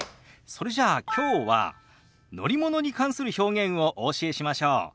それじゃあきょうは乗り物に関する表現をお教えしましょう。